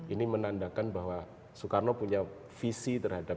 ini menandakan bahwa soekarno punya visi terhadap